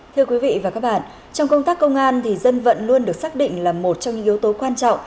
thưa quý vị và các bạn trong công tác công an thì dân vận luôn được xác định là một trong những yếu tố quan trọng